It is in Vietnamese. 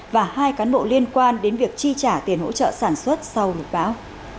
và hai cán bộ liên quan đến việc chi trả tiền hỗ trợ sản xuất sau lục báo